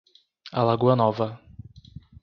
Alagoa Nova